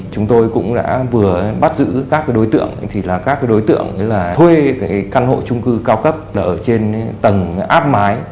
chúng tôi cũng đã vừa bắt giữ các đối tượng thì là các đối tượng là thuê căn hộ trung cư cao cấp ở trên tầng áp mái